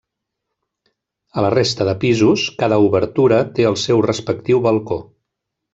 A la resta de pisos, cada obertura té el seu respectiu balcó.